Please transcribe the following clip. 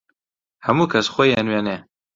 هەموو کەس خۆی ئەنوێنێ